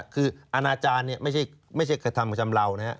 คืออาณาจารย์เนี่ยไม่ใช่กระทำกระทำเหล่านะครับ